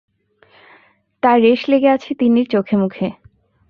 তার রেশ লেগে আছে তিন্নির চোখে-মুখে।